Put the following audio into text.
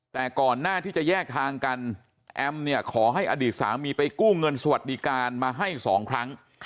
แต่ก่อนหน้าที่จะแยกทางกันแอมเนี่ยขอให้อดีตสามีไปกู้เงินสวัสดิการมาให้๒ครั้ง